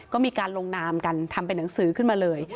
ก็มีการลงนามกันทำเป็นหนังสือขึ้นมาเลย